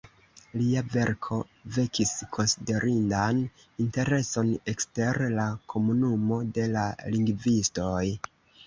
Lia verko vekis konsiderindan intereson ekster la komunumo de la lingvistoj.